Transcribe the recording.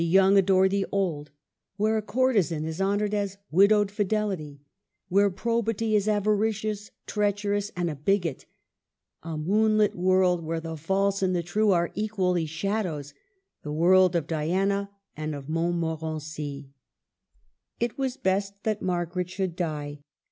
young adore the old, where a courtesan is hon ored as widowed Fidelity, where Probity is avaricious, treacherous, and a bigot; a moonlit world, where the false and the true are equally shadows, — the world of Diana and of Mont morency. It was best that Margaret should die.